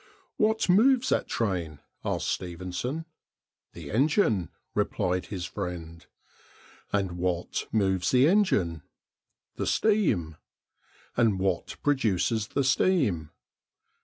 "What moves that train?" asked Stephenson. "The engine," replied his friend. "And what moves the engine?" "The steam." "And what produces the steam?"